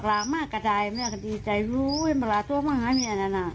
แล้วทำไมแม่อยากให้ลูกกลับมาล่ะ